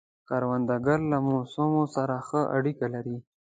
کروندګر له موسمو سره ښه اړیکه لري